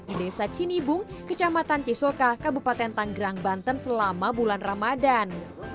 di desa cinibung kecamatan cisoka kabupaten tanggerang banten selama bulan ramadan